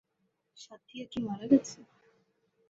সাথ্যীয়া কি মারা গেছে?